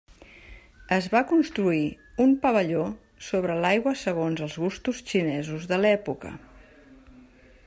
Es va construir un pavelló sobre l'aigua segons els gustos xinesos de l'època.